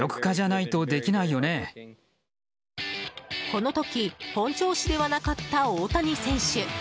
この時、本調子ではなかった大谷選手。